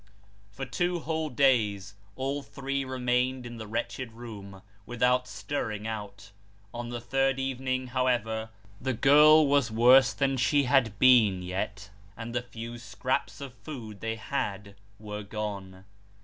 For two whole days, all three remained in the wretched room, with out stirring out. On the third evening, however, the girl was worse than she had been yet, and the few scraps of food they had were gone.